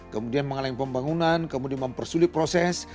kemudian mengalami pembangunan kemudian mempersulit proses